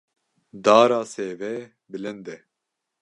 Dara sêvê bilind e.